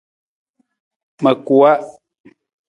Ma kuwa.